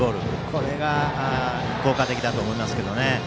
これが効果的だと思いますけどね。